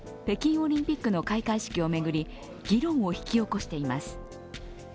北京オリンピックの開会式を巡り議論を引き起こしています。